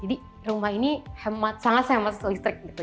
jadi rumah ini sangat sangat se elastrik gitu